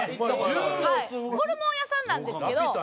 ホルモン屋さんなんですけど。